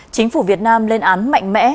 chính phủ việt nam lên án mạnh mẽ